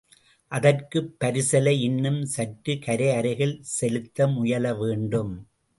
அதற்குப் பரிசலை இன்னும் சற்று கரை அருகில் செலுத்த முயல வேண்டும்.